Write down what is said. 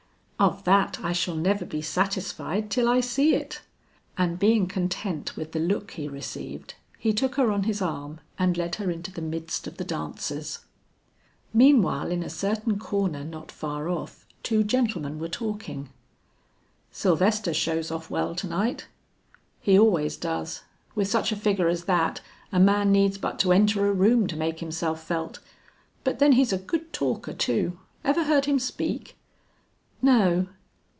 "Of that I shall never be satisfied till I see it?" And being content with the look he received, he took her on his arm and led her into the midst of the dancers. Meanwhile in a certain corner not far off, two gentlemen were talking. "Sylvester shows off well to night." "He always does. With such a figure as that, a man needs but to enter a room to make himself felt. But then he's a good talker too. Ever heard him speak?" "No."